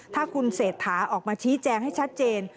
ถ้าคุณเศรษฐาออกมาชี้แจงให้ชัดเจน